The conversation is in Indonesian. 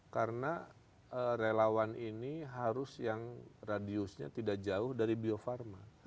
karena relawan ini harus yang radiusnya tidak jauh dari bio farma